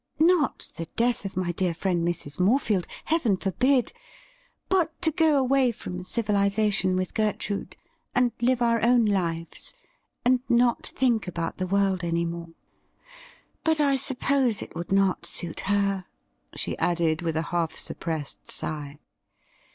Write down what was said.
Not the death of my dear friend Mrs. Morefield — Heaven forbid !— but to go away from civilization with Gertrude, and live our own lives, and not think about the world any more. But I suppose it would not suit her,' she added, with a half suppressed sigh.